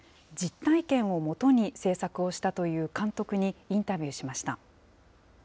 実体験をもとに製作をしたという監督にインタビューしました。